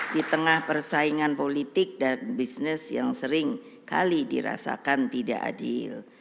di tengah persaingan politik dan bisnis yang seringkali dirasakan tidak adil